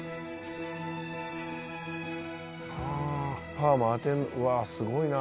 「パーマ当てうわあすごいな」